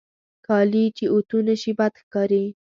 کالي چې اوتو نهشي، بد ښکاري.